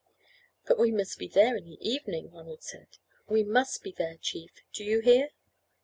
"But we must be there in the evening," Ronald said; "we must be there, chief; do you hear?"